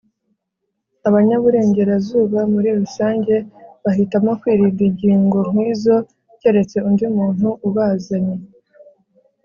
Abanyaburengerazuba muri rusange bahitamo kwirinda ingingo nkizo keretse undi muntu ubazanye